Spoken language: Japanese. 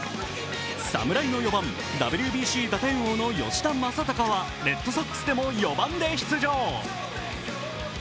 侍の４番、ＷＢＣ打点王の吉田正尚はレッドソックスでも４番で出場。